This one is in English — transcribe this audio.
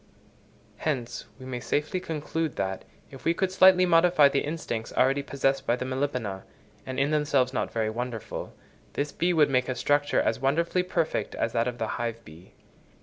Hence we may safely conclude that, if we could slightly modify the instincts already possessed by the Melipona, and in themselves not very wonderful, this bee would make a structure as wonderfully perfect as that of the hive bee.